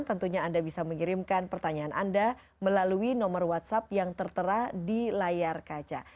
tentunya anda bisa mengirimkan pertanyaan anda melalui nomor whatsapp yang tertera di layar kaca